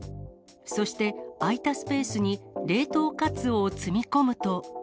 そして、空いたスペースに冷凍カツオを積み込むと。